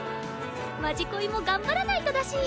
「まじこい」も頑張らないとだし。